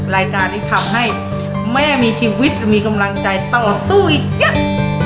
รายการนี้ทำให้แม่มีชีวิตมีกำลังใจต่อสู้อีกเยอะ